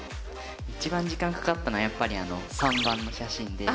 一番時間かかったのはやっぱりあの３番の写真で。